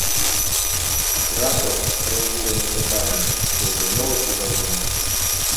Кракаў, разбураны татарамі, быў ізноў адбудаваны.